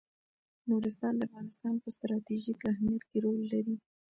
نورستان د افغانستان په ستراتیژیک اهمیت کې رول لري.